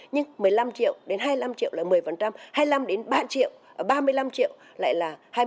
nhưng một mươi năm triệu đến hai mươi năm triệu là một mươi hai mươi năm đến ba triệu ba mươi năm triệu lại là hai mươi